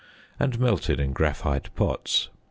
and melted in graphite pots.